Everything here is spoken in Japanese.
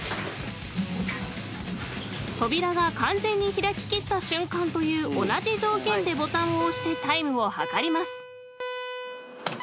［扉が完全に開き切った瞬間という同じ条件でボタンを押してタイムを測ります］